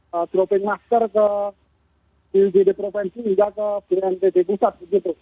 menempatkan masker ke budd provinsi hingga ke budd pusat